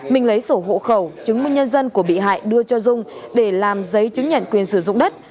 mình lấy sổ hộ khẩu chứng minh nhân dân của bị hại đưa cho dung để làm giấy chứng nhận quyền sử dụng đất